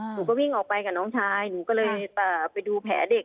หนูก็วิ่งออกไปกับน้องชายหนูก็เลยไปดูแผลเด็ก